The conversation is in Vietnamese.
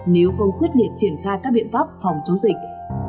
nếu không quyết liệt triển khai các biện pháp phòng chống dịch